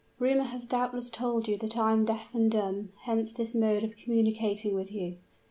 Rumor has doubtless told you that I am deaf and dumb; hence this mode of communicating with you.